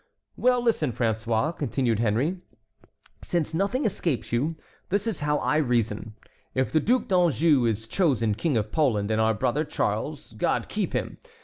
"Well, listen, François," continued Henry, "since nothing escapes you. This is how I reason: If the Duc d'Anjou is chosen King of Poland, and our brother Charles, God keep him!